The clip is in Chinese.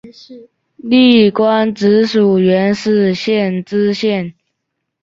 历官直隶元氏县知县。